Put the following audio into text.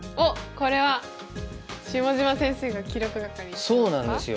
これは下島先生が記録係なんですか？